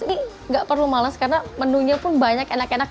ini nggak perlu males karena menunya pun banyak enak enak